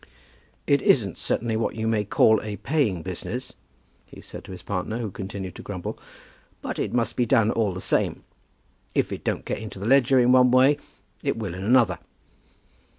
"It isn't certainly what you may call a paying business," he said to his partner, who continued to grumble; "but it must be done all the same. If it don't get into the ledger in one way it will in another."